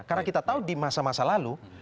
karena kita tahu di masa masa lalu